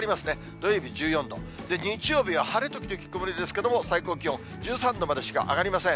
土曜日１４度、日曜日は晴れ時々曇りですけれども、最高気温１３度までしか上がりません。